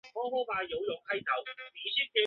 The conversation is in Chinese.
这一类还包括州政府和当地政府。